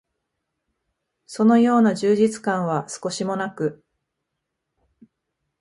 そのような充実感は少しも無く、